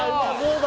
だ